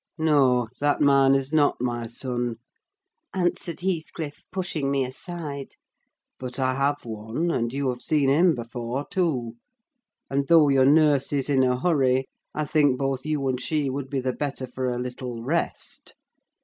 "No, that man is not my son," answered Heathcliff, pushing me aside. "But I have one, and you have seen him before too; and, though your nurse is in a hurry, I think both you and she would be the better for a little rest.